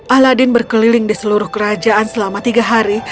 aladin berkeliling di seluruh kerajaan selama tiga hari